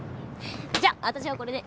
じゃあ私はこれで。